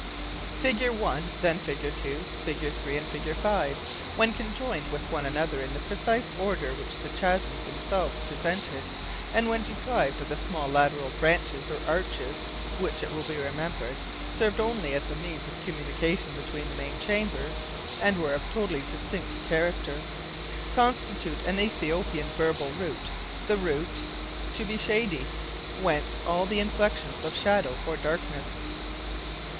Figure 1, then, figure 2, figure 3, and figure 5, when conjoined with one another in the precise order which the chasms themselves presented, and when deprived of the small lateral branches or arches (which, it will be remembered, served only as a means of communication between the main chambers, and were of totally distinct character), constitute an Ethiopian verbal root—the root "To be shady,'—whence all the inflections of shadow or darkness.